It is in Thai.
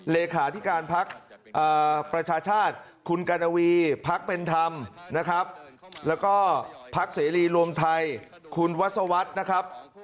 เลขาธิการพักประชาชาติคุณกัณวีพักเป็นธรรมนะครับแล้วก็พักเสรีรวมไทยคุณวัศวรรษนะครับ